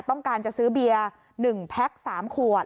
ต้องการจะซื้อเบียร์๑แพ็ค๓ขวด